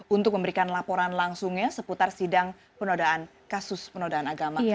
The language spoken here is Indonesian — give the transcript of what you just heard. untuk memberikan laporan langsungnya seputar sidang penodaan kasus penodaan agama